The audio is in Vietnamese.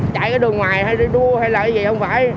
chạy ở đường ngoài hay đi đua hay là cái gì không phải